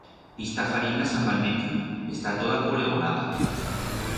Esta farina s'ha malmetiu, está toda apolegonada.